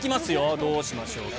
どうしましょうかね。